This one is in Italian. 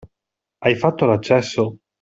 Hai fatto l'accesso?